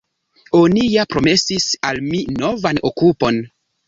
Oni ja promesis al mi novan okupon.